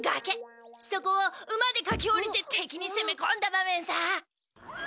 そこを馬で駆け下りて敵に攻め込んだ場面さ！